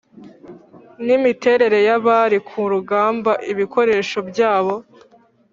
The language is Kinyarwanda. n'imiterere y'abari ku rugamba, ibikoresho byabo